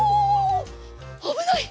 あぶない！